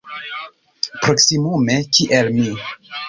Proksimume kiel mi.